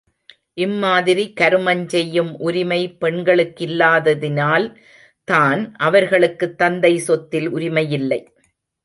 இம்மாதிரி கருமஞ் செய்யும் உரிமை பெண்களுக்கில்லாததினால் தான், அவர்களுக்குத் தந்தை சொத்தில் உரிமையில்லை.